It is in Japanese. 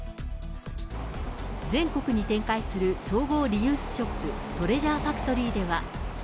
全国に展開する総合リユースショップ、トレジャーファクトリーでは。